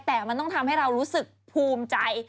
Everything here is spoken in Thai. แต่มันต้องทำให้เรารู้สึกภูมิใจ